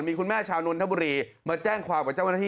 มีคุณแม่ชาวนนทบุรีมาแจ้งความว่า